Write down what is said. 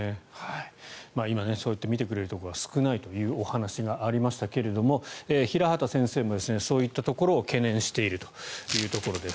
今、診てくれるところが少ないという話でしたが平畑先生もそういったところを懸念しているというところです。